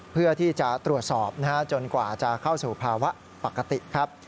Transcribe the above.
เพื่อที่จะตรวจสอบจนกว่าจะเข้าสู่ภาวะปกติครับ